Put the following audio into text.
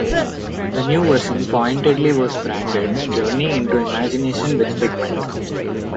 The new version pointedly was branded Journey Into Imagination with Figment.